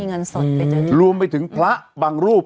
เขามีเงินสดไปจนรวมไปถึงพระบางรูป